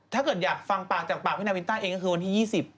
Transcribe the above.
ถ้าเกิดอยากฟังปากจากปากพี่นาวินต้าเองก็คือวันที่๒๐